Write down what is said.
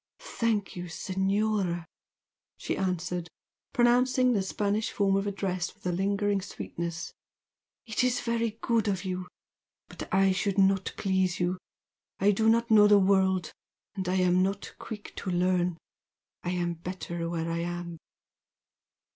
"Thank you, Senora!" she answered, pronouncing the Spanish form of address with a lingering sweetness, "It is very good of you! But I should not please you. I do not know the world, and I am not quick to learn. I am better where I am."